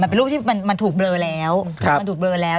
มันเป็นรูปที่มันถูกเบลอแล้ว